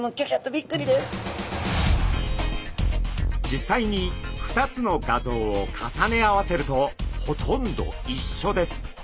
実際に２つの画像を重ね合わせるとほとんどいっしょです。